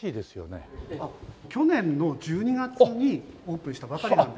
去年の１２月にオープンしたばかりなんです。